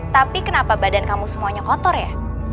tapi kenapa badan kamu semuanya kotor ya